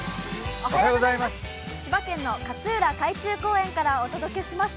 千葉県の勝浦海中公園からします。